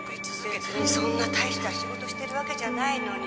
「別にそんな大した仕事してるわけじゃないのに」